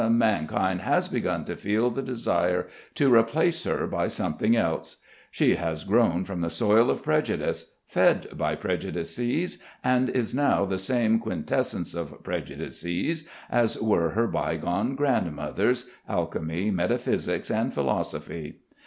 Mankind has begun to feel the desire to replace her by something else. She was grown from the soil of prejudice, fed by prejudices, and is now the same quintessence of prejudices as were her bygone grandmothers: alchemy, metaphysics and philosophy.